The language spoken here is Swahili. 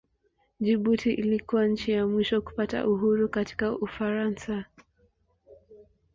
Jibuti ilikuwa nchi ya mwisho kupata uhuru kutoka Ufaransa.